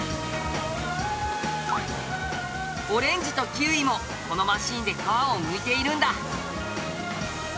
オレンジとキウイもこのマシンで皮をむいているんだ。